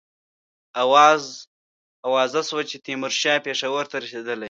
آوازه سوه چې تیمورشاه پېښور ته رسېدلی.